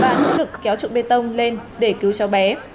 và lực lượng kéo trụ bê tông lên để cứu cháu bé